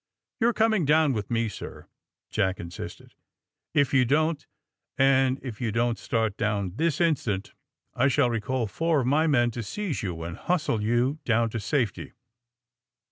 *^ Yon 're coming down with me, sir !" Jack in sisted. ^^If yon don't, and if yon don't start down this instant, I shall recall f onr of my men to seize you and hustle you down to safety."